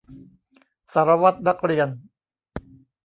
สารวัตรนักเรียน